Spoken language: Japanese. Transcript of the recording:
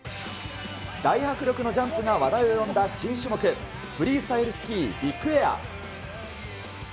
大迫力のジャンプが話題を呼んだ新種目、フリースタイルスキービッグエア。